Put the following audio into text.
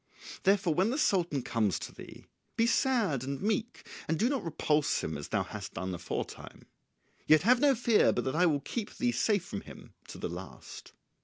Therefore when the Sultan comes to thee, be sad and meek and do not repulse him as thou hast done aforetime. Yet have no fear but that I will keep thee safe from him to the last."